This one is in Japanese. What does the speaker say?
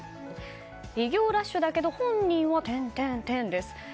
偉業ラッシュだけど本人はです。